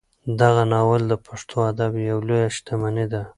دغه ناول د پښتو ادب یوه لویه شتمني ده.